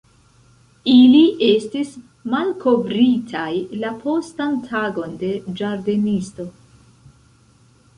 Ili estis malkovritaj la postan tagon de ĝardenisto.